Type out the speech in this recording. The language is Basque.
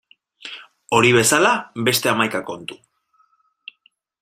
Hori bezala beste hamaika kontu.